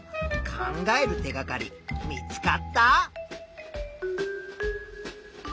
考える手がかり見つかった？